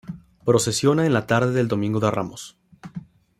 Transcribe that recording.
Procesiona en la tarde del Domingo de Ramos.